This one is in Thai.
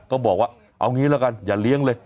ก็บอกว่าเอางี้ละกันอย่าเลี้ยงเลย